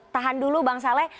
tahan dulu bang saleh